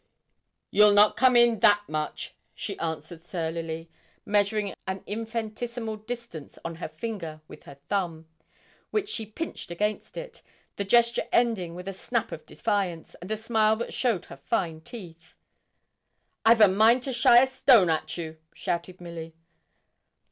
'You'll not come in that much,' she answered, surlily, measuring an infinitesimal distance on her finger with her thumb, which she pinched against it, the gesture ending with a snap of defiance, and a smile that showed her fine teeth. 'I've a mind to shy a stone at you,' shouted Milly.